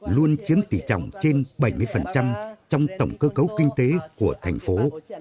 luôn chiếm tỷ trọng trên bảy mươi trong tổng cơ cấu kinh tế của thành phố